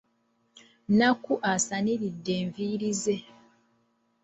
Nakku asaniridde enviiri ze.